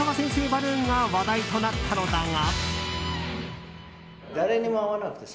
バルーンが話題となったのだが。